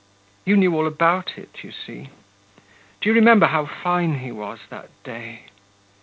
You knew all about it, you see. Do you remember how fine he was that day....